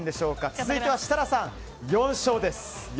続いて設楽さん、４勝です。